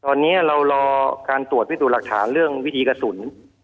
ตอนนี้เรารอการตรวจพิสูจน์หลักฐานเรื่องวิธีกระสุน